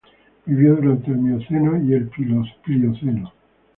Vivió durante el Mioceno y el Plioceno.